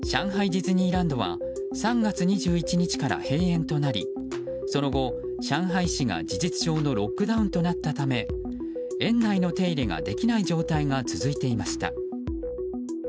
ディズニーランドは３月２１日から閉園となりその後、上海市が事実上のロックダウンとなったため園内の手入れができない状態が続いていました。